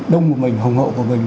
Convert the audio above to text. đông của mình hồng hậu của mình